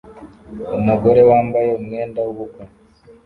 Umugore wambaye umwenda w'ubukwe